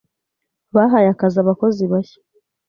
Bahaye akazi abakozi bashya.